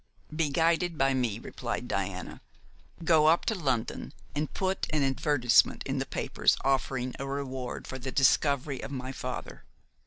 "Be guided by me," replied Diana. "Go up to London and put an advertisement in the papers offering a reward for the discovery of my father.